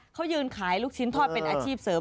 เขายืนขายลูกชิ้นทอดเป็นอาชีพเสริม